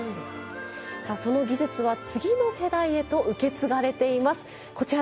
その技術は次の世代へと受け継がれています。